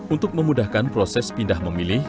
untuk memudahkan proses pindah memilih